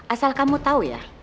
asal kamu tahu ya